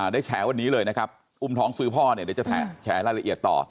ได้แชร์วันนี้เลยนะครับอุ่มท้องซื้อพ่อเนี่ยได้แชร์รายละเอียดต่อ